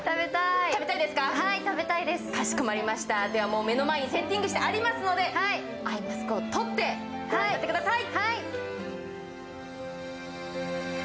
もう目の前にセッティングしてありますので、アイマスクを取ってご覧になってください。